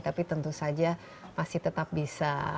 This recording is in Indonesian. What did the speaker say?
tapi tentu saja masih tetap bisa